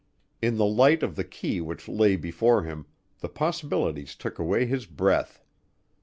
In the light of the key which lay before him, the possibilities took away his breath.